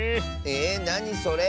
えなにそれ。